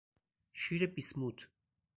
شیر بیسموت